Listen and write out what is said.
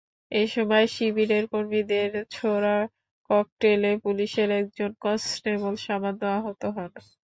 এসময় শিবিরের কর্মীদের ছোড়া ককটেলে পুলিশের একজন কনস্টেবল সামান্য আহত হন।